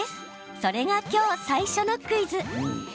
それがきょう、最初のクイズ。